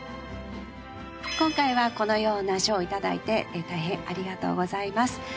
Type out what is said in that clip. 今回はこのような賞をいただいて大変ありがとうございます。